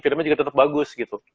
filmnya tetap bagus gitu